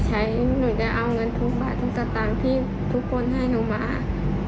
หนูจะเอาเงินทุกบาททุกสตางค์ที่ทุกคนให้หนูมา